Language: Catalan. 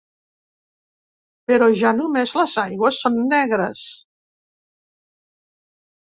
Però ja només les aigües són negres.